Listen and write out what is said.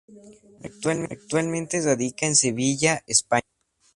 Actualmente radica en Sevilla, España.